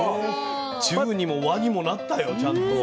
中にも和にもなったよちゃんと。